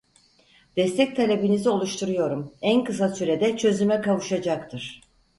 Destek talebinizi oluşturuyorum en kısa sürede çözüme kavuşacaktır.